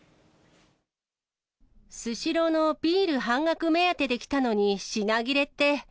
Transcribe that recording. スシローのビール半額目当てに来たのに、品切れって。